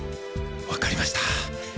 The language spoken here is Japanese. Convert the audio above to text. わかりました。